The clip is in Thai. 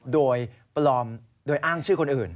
โดยปลอมโดยอ้างชื่อคนอื่น